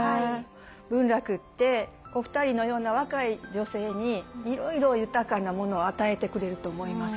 文楽ってお二人のような若い女性にいろいろ豊かなものを与えてくれると思います。